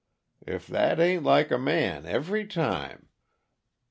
If that ain't like a man, every time!